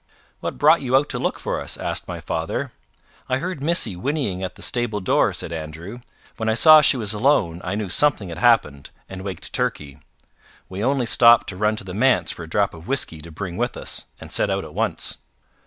"What brought you out to look for us?" asked my father. "I heard Missy whinnying at the stable door," said Andrew. "When I saw she was alone, I knew something had happened, and waked Turkey. We only stopped to run to the manse for a drop of whisky to bring with us, and set out at once."